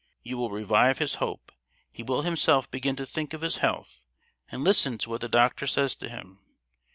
You will revive his hope; he will himself begin to think of his health, and listen to what the doctor says to him.